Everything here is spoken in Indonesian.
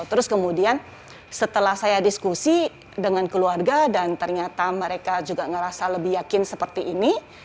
terus kemudian setelah saya diskusi dengan keluarga dan ternyata mereka juga ngerasa lebih yakin seperti ini